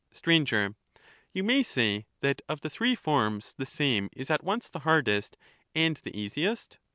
Sir, You may say that of the three forms, the same is at once the hardest and the easiest.